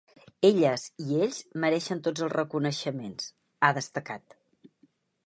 “Elles i ells mereixen tots els reconeixements”, ha destacat.